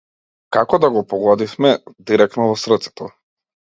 Како да го погодивме директно во срцето.